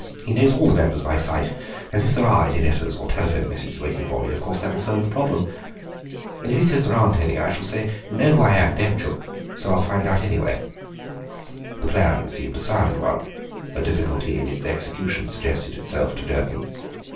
He knows all the members by sight, and if there are any letters or telephone messages waiting for me of course that will solve the problem. If he says there aren't any I shall say: 'You know who I am, don't you?' so I'll find out anyway." The plan seemed a sound one; a difficulty in its execution suggested itself to Jerton.